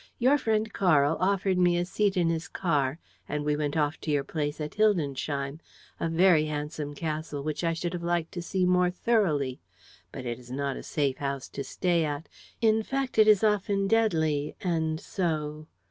Your friend Karl offered me a seat in his car and we went off to your place at Hildensheim: a very handsome castle, which I should have liked to see more thoroughly. ... But it is not a safe house to stay at; in fact, it is often deadly; and so